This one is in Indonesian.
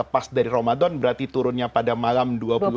pas dari ramadan berarti turunnya pada malam dua puluh